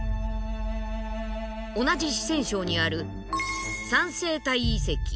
同じ四川省にある三星堆遺跡。